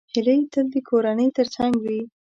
هیلۍ تل د کورنۍ تر څنګ وي